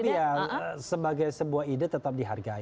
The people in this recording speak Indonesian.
tapi ya sebagai sebuah ide tetap dihargai